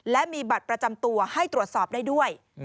และมีบัตรประจำตัวให้ตรวจสอบได้ด้วย